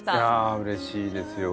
あうれしいですよ。